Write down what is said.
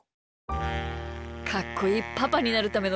かっこいいパパになるためのけんきゅう！